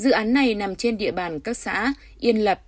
dự án này nằm trên địa bàn các xã yên lập